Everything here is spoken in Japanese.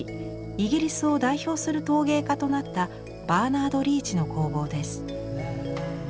イギリスを代表する陶芸家となったバーナード・リーチの工房です。